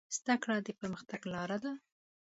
زده کړه د پرمختګ لاره ده.